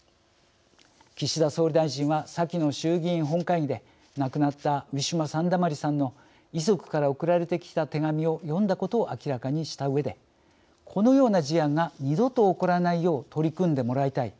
岸田総理大臣は先の衆議院本会議で亡くなったウィシュマ・サンダマリさんの遺族から送られてきた手紙を読んだことを明らかにしたうえで「このような事案が二度と起こらないよう取り組んでもらいたい。